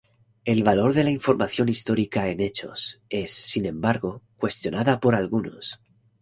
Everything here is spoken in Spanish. El valor de la información histórica en Hechos es, sin embargo, cuestionada por algunos.